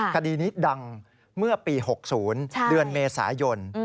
คดีนี้ดังเมื่อปี๖๐เดือนเมษายน